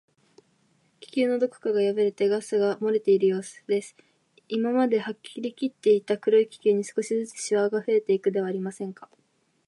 気球のどこかがやぶれて、ガスがもれているようすです。今まではりきっていた黒い気球に、少しずつしわがふえていくではありませんか。